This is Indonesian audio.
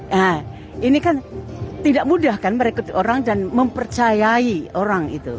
nah ini kan tidak mudah kan merekrut orang dan mempercayai orang itu